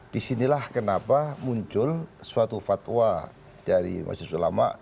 disinilah kenapa muncul suatu fatwa dari masjid sulama